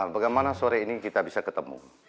bagaimana sore ini kita bisa ketemu